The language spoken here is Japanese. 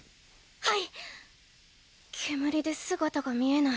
はい！